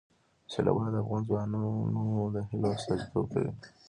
سیلابونه د افغان ځوانانو د هیلو استازیتوب کوي.